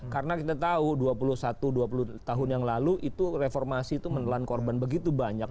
karena kita tahu dua puluh satu dua puluh dua tahun yang lalu itu reformasi itu menelan korban begitu banyak